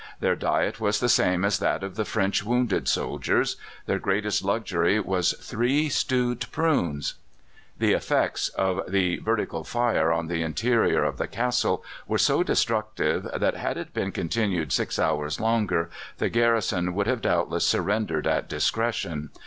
Their diet was the same as that of the French wounded soldiers. Their greatest luxury was three stewed prunes! The effects of the vertical fire on the interior of the castle were so destructive that, had it been continued six hours longer, the garrison would have doubtless surrendered at discretion.